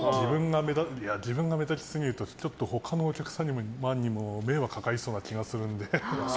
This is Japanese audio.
自分が目立ちすぎるとちょっと他のお客様にも迷惑かかりそうな気がするので。